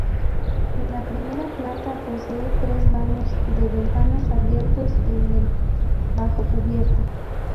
En la primera planta posee tres vanos de ventanas abiertos en el bajocubierta.